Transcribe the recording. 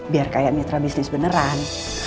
biar kayak mitra bisnis beneran